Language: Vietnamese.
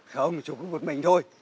không chụp có một mình thôi